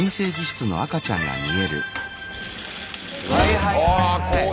はいはい。